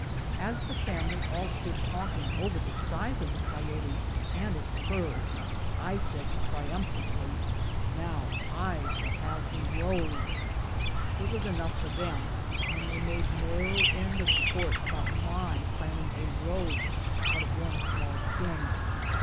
As the family all stood talking over the size of the 112 BOOTS AND SADDLES. coyote and its fur, I said, triumphantly, " Now, I shall have a robe !" It was enough for them, and they made no end of sport about my planning a robe out of one small skin.